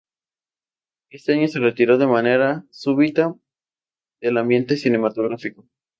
Ese año se retiró de manera súbita del ambiente cinematográfico.